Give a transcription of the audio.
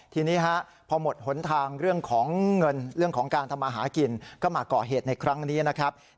ทีนี้พอหมดหนทางเรื่องของเงินเรื่องของการทำมาหากินก็มาก่อเหตุในครั้งนี้นะครับ